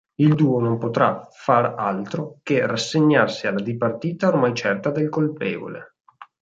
Il duo non potrà far altro che rassegnarsi alla dipartita ormai certa del colpevole.